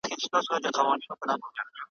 هم په اور هم په اوبو کي دي ساتمه ,